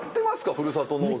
ふるさと納税。